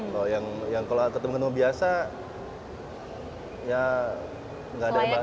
kalau yang ketemu ketemu biasa ya nggak ada bahas bahas